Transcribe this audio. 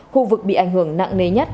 khu vực bị ảnh hưởng nặng nề nhất